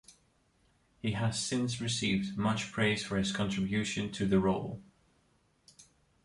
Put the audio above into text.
He has since received much praise for his contribution to the role.